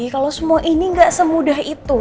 kalau semua ini nggak semudah itu